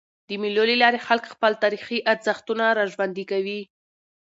د مېلو له لاري خلک خپل تاریخي ارزښتونه راژوندي کوي.